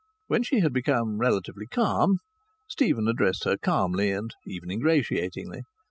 When she had become relatively calm Stephen addressed her calmly, and even ingratiatingly.